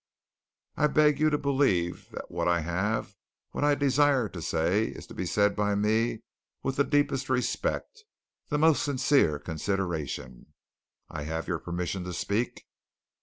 "I beg you to believe that what I have what I desire to say is to be said by me with the deepest respect, the most sincere consideration. I have your permission to speak?